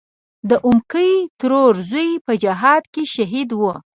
د اومکۍ ترور زوی په جهاد کې شهید و.